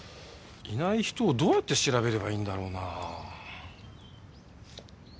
いない人をどうやって調べればいいんだろうなあ？